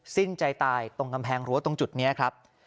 สิ้นใจตายตรงกำแพงรั้วตรงจุดนี้ครับ